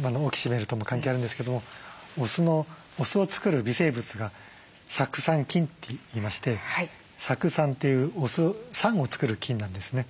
今のオキシメルとも関係あるんですけどもお酢を作る微生物が酢酸菌っていいまして酢酸というお酢酸を作る菌なんですね。